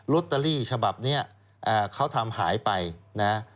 ตเตอรี่ฉบับนี้เขาทำหายไปนะ